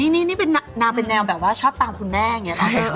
นี่นางเป็นแนวแบบว่าชอบตามคุณแม่อย่างนี้นะ